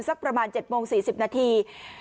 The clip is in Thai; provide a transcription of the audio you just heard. สักประมาณ๗โมง๔๐นาที